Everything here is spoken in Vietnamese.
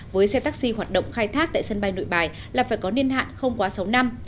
với xe taxi hoạt động khai thác tại sân bay nội bài là phải có niên hạn không quá sáu năm